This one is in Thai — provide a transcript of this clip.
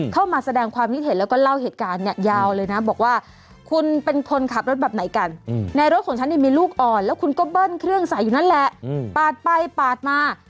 เข้ามาแสดงความคิดเห็นแล้วก็เล่าเหตุการณ์เนี่ยยาวเลยนะบอกว่าคุณเป็นคนขับรถแบบไหนกันในรถของฉันเนี่ยมีลูกอ่อนแล้วคุณก็เบิ้ลเครื่องใส่อยู่นั่นแหละปาดไปปาดมา